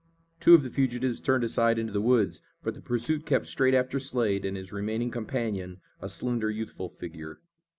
Two of the fugitives turned aside into the woods, but the pursuit kept straight after Slade, and his remaining companion, a slender, youthful figure.